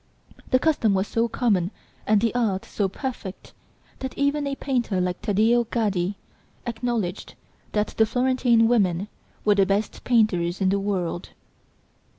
The custom was so common and the art so perfect that even a painter like Taddeo Gaddi acknowledged that the Florentine women were the best painters in the world!...